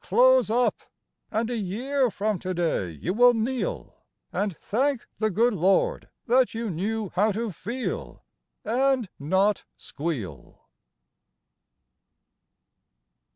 Close up! and a year from to day you will kneel And thank the good Lord that you knew how to feel And not squeal.